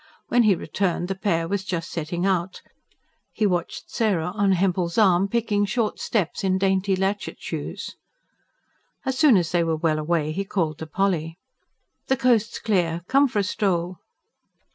When he returned, the pair was just setting out; he watched Sarah, on Hempel's arm, picking short steps in dainty latchet shoes. As soon as they were well away he called to Polly. "The coast's clear. Come for a stroll."